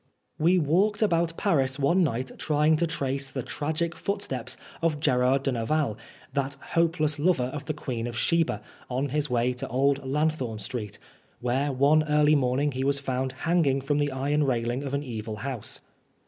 We walked about Paris one night trying to trace the tragic footsteps of Gerard de Nerval, that hopeless lover of the Queen of Sheba, on his way to Old Lanthorn Street, where one early morning he was found hanging from the iron railing of an evil house.